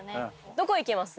どこ行きます？